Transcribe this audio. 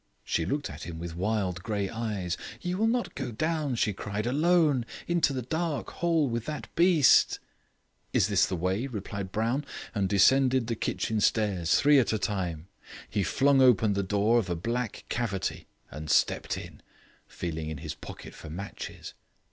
She looked at him with wild grey eyes. "You will not go down," she cried, "alone, into the dark hole, with that beast?" "Is this the way?" replied Brown, and descended the kitchen stairs three at a time. He flung open the door of a black cavity and stepped in, feeling in his pocket for matches.